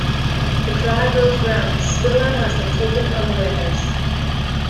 The cry goes round: 'Spiller has been taken unawares'.